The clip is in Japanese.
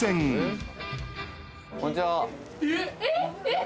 こんちは。